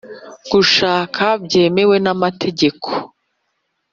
gushaka byemewe n’amategeko;